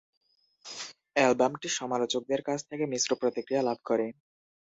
অ্যালবামটি সমালোচকদের কাছ থেকে মিশ্র প্রতিক্রিয়া লাভ করে।